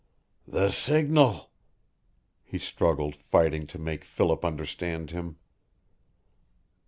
"The signal!" he struggled, fighting to make Philip understand him.